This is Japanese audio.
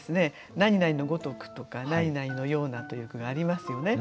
「何々の如く」とか「何々のような」という句がありますよね。